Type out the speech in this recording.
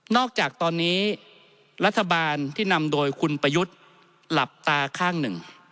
จากตอนนี้รัฐบาลที่นำโดยคุณประยุทธ์หลับตาข้างหนึ่ง